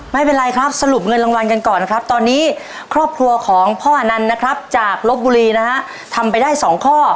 ไม่เป็นไรครับสรุปเงินรางวัลกันก่อนนะครับตอนนี้ครอบครัวของพ่ออนันต์นะครับจากลบบุรีนะฮะทำไปได้สองข้อ